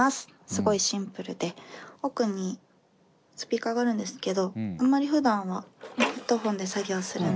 すごいシンプルで奥にスピーカーがあるんですけどあんまりふだんはヘッドホンで作業するんで。